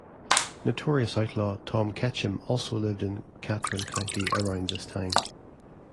Notorious outlaw Tom Ketchum also lived in Catron County around this time.